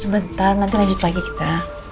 sebentar nanti lanjut lagi kita